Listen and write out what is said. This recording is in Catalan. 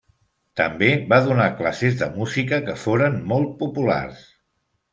També va donar classes de música, que foren molt populars.